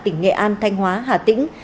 tỉnh nghệ an thanh hóa hà tĩnh